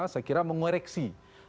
saya kira mengoreksi